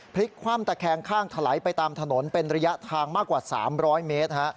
พลิกคว่ำตะแคงข้างถลายไปตามถนนเป็นระยะทางมากกว่า๓๐๐เมตร